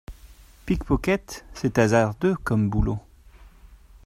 Pickpocket c’est hasardeux, comme boulot.